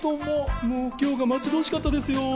今日が待ち遠しかったですよ。